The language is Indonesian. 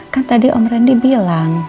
kan tadi om randy bilang